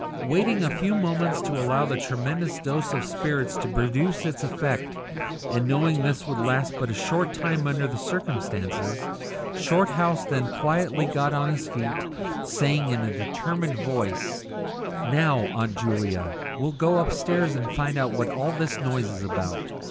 Waiting a few moments to allow the tremendous dose of spirits to produce its effect, and knowing this would last but a short time under the circumstances, Shorthouse then quietly got on his feet, saying in a determined voice "Now, Aunt Julia, we'll go upstairs and find out what all this noise is about.